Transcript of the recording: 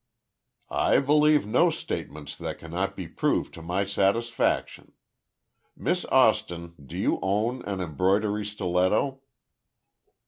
"I believe no statements that cannot be proved to my satisfaction. Miss Austin, do you own an embroidery stiletto?"